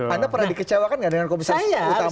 anda pernah dikecewakan nggak dengan komisaris utama